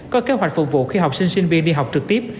có kế hoạch phục vụ khi học sinh sinh viên đi học trực tiếp